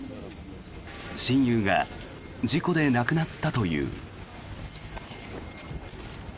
親友が事故で亡くなったという。